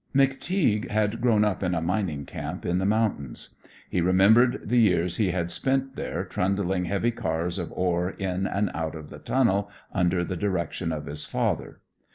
McTeague had grown up in a mining camp in the mountains. He remembered the years he had spent there trundling heavy cars of ore in and out of the tunnel under the direction of his father.